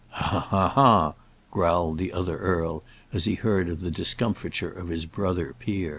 "Ha, ha, ha, ha!" growled the other earl, as he heard of the discomfiture of his brother peer.